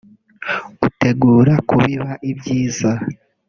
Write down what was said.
utegura kubiba ibyiza